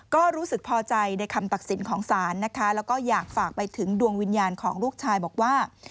ก็รู้สึกพอใจในคำตัดสินของศาลนะคะแล้วก็อยากฝากไปถึงดวงวิญญาณของลูกชายบอกว่า